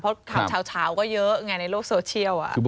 เพราะถามเช้าก็เยอะอย่างไรในโลกโซเชียล